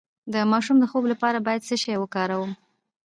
د ماشوم د خوب لپاره باید څه شی وکاروم؟